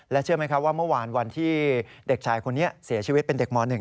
เชื่อไหมครับว่าเมื่อวานวันที่เด็กชายคนนี้เสียชีวิตเป็นเด็กม๑